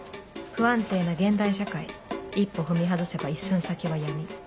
不安定な現代社会一歩踏み外せば一寸先は闇